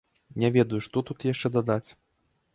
Не ведаю, што тут яшчэ дадаць!